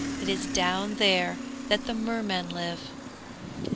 It is down there that the Mermen live.